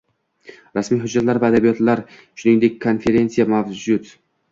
Rasmiy hujjatlar va adabiyotlar, shuningdek, konferensiya mavjud